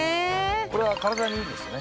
これは体にいいですよね。